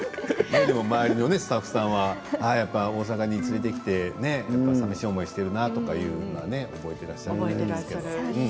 周りのスタッフさんが大阪に連れてきてさみしい思いをしているなとか覚えていらっしゃるんですね。